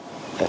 làm nòng cốt